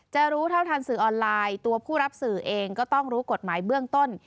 รู้เท่าทันสื่อออนไลน์ตัวผู้รับสื่อเองก็ต้องรู้กฎหมายเบื้องต้น